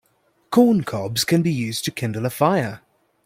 Corn cobs can be used to kindle a fire.